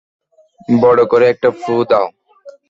বড় করে একটা ফুঁ দাও!